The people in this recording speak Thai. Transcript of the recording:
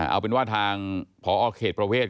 เอาเป็นว่าทางพอเขตประเวท